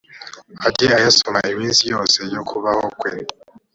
ajye ayasoma iminsi yose y’ukubaho kwe,